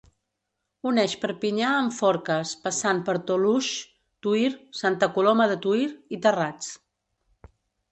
Uneix Perpinyà amb Forques, passant per Toluges, Tuïr, Santa Coloma de Tuïr i Terrats.